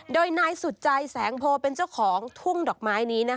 โดยนายสุดใจแสงโพเป็นเจ้าของทุ่งดอกไม้นี้